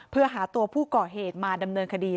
เพื่อหาตัวผู้ก่อเหตุมาดำเนินคดี